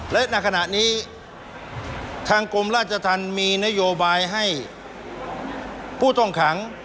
และในขณะนี้ทางกรมราชธรรมมีนโยบายให้ผู้ต้องขัง